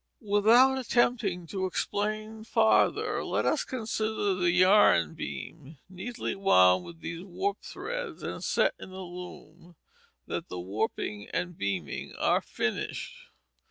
Without attempting to explain farther, let us consider the yarn beam neatly wound with these warp threads and set in the loom that the "warping" and "beaming" are finished.